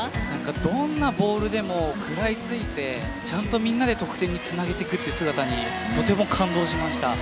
どんなボールでも食らいついてちゃんとみんなで得点につなげていくっていう姿にとても感動しました。